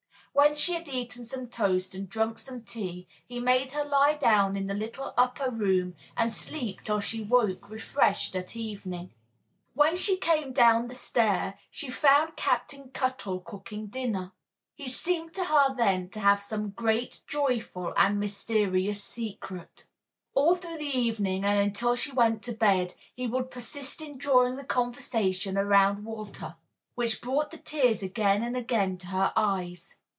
When she had eaten some toast and drunk some tea he made her lie down in the little upper room and sleep till she woke refreshed at evening. When she came down the stair she found Captain Cuttle cooking dinner. He seemed to her then to have some great, joyful and mysterious secret. All through the evening and until she went to bed he would persist in drawing the conversation around to Walter, which brought the tears again and again to her eyes.